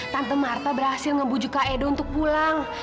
tante marta berhasil ngebuju kak edo untuk pulang